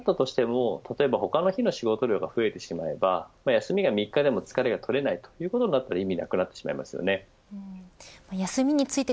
それをしないまま週休３日になったとしても例えば、他の日の仕事量が増えてしまえば休みが３日でも疲れが取れないということになったら意味がなくなってしまいます。